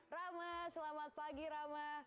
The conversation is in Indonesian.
rama selamat pagi rama